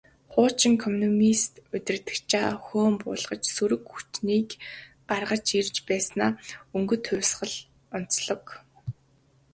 Хуучин коммунист удирдагчдаа хөөж буулган, сөрөг хүчнийг гаргаж ирж байснаараа «Өнгөт хувьсгал» онцлог.